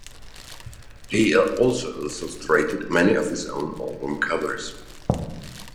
He also illustrated many of his own album covers.